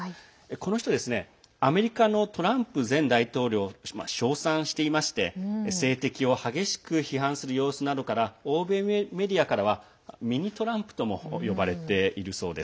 この人ですねアメリカのトランプ前大統領を称賛していまして政敵を激しく批判する様子などから欧米メディアなどからはミニ・トランプとも呼ばれています。